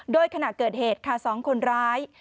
โดยขณะเกิดเหตุค่ะ๒คนร้าย